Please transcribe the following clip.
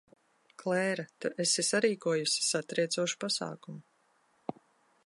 Klēra, tu esi sarīkojusi satriecošu pasākumu.